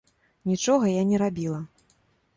Нічога я не рабіла.